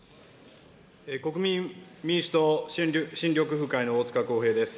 国民民主党・新緑風会の大塚耕平です。